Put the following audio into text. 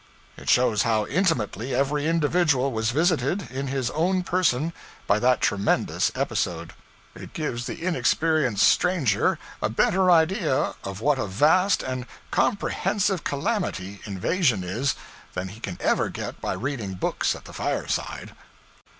It shows how intimately every individual was visited, in his own person, by that tremendous episode. It gives the inexperienced stranger a better idea of what a vast and comprehensive calamity invasion is than he can ever get by reading books at the fireside.